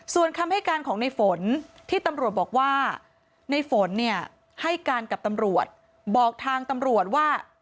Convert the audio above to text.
ส่วนคำให้การของในฝนที่ตำรวจบอกว่าในฝนเนี่ยให้การกับตำรวจบอกทางตำรวจว่า